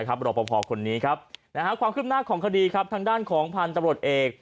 รบพอของคนนี้ความขึ้นหน้าของคดีทางด้านของพาลตรวจเอก